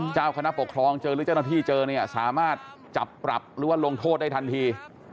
เจ้าคณะปกครองเจอที่เจอเนี่ยสามารถจัดปรับหรือว่าลงโทษได้ทันที